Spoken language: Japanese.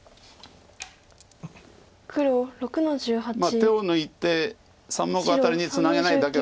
手を抜いて３目アタリにツナげないのだけは。